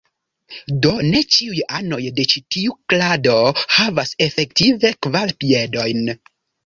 Do ne ĉiuj anoj de ĉi tiu klado havas efektive kvar piedojn.